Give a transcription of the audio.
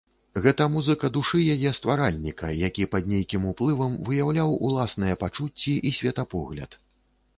Гэта музыка душы яе стваральніка, які пад нейкім уплывам выяўляў уласныя пачуцці і светапогляд.